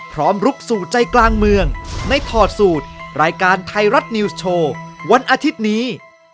ลุกสู่ใจกลางเมืองในถอดสูตรรายการไทยรัฐนิวส์โชว์วันอาทิตย์นี้